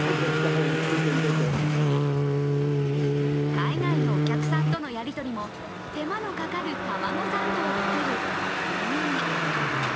海外のお客さんとのやり取りも手間のかかるタマゴサンドを作る励みに。